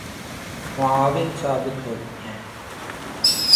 معاون ثابت ہوتی ہیں